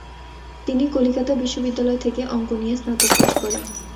তিনি কলিকাতা বিশ্ববিদ্যালয় থেকে অঙ্ক নিয়ে স্নাতক পাশ করেন।